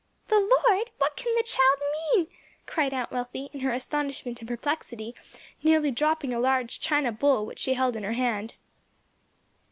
"The Lord! what can the child mean?" cried Aunt Wealthy, in her astonishment and perplexity nearly dropping a large china bowl which she held in her hand.